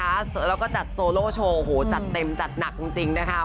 แล้วก็จัดโซโลโชว์โหจัดเต็มจัดหนักจริงนะคะ